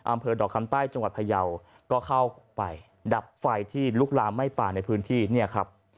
อำเภอดอกคำใต้จังหวัดพยาวก็เข้าไปดับไฟที่ลุกลามไหม้ป่าในพื้นที่เนี่ยครับ